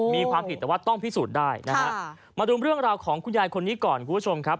มีความผิดแต่ว่าต้องพิสูจน์ได้นะฮะมาดูเรื่องราวของคุณยายคนนี้ก่อนคุณผู้ชมครับ